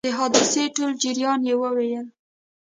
د حادثې ټول جریان یې وویل.